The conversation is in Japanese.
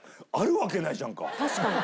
確かに。